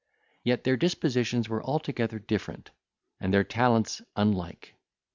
Yet their dispositions were altogether different, and their talents unlike.